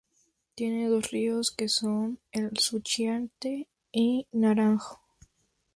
Tiene dos ríos que son el Suchiate y Naranjo.